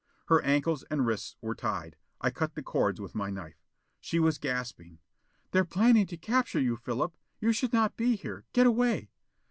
Her ankles and wrists were tied. I cut the cords with my knife. She was gasping. "They're planning to capture you. Philip! You should not be here! Get away!"